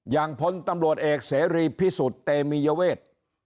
พลตำรวจเอกเสรีพิสุทธิ์เตมียเวท